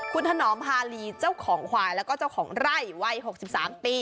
คุณถนอมภาลีเจ้าของควายแล้วก็เจ้าของไร่วัย๖๓ปี